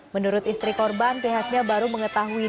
menurut istri korban pihaknya baru mengetahui